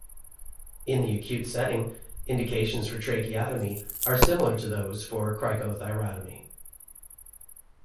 In the acute setting, indications for tracheotomy are similar to those for cricothyrotomy.